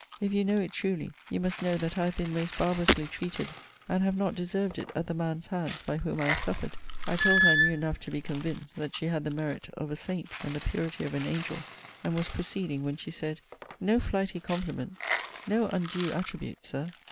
If you know it truly, you must know that I have been most barbarously treated; and have not deserved it at the man's hands by whom I have suffered. I told her I knew enough to be convinced that she had the merit of a saint, and the purity of an angel: and was proceeding, when she said, No flighty compliments! no undue attributes, Sir!